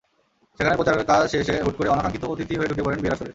সেখানেই প্রচারকাজ শেষে হুট করে অনাকাঙ্ক্ষিত অতিথি হয়ে ঢুকে পড়েন বিয়ের আসরে।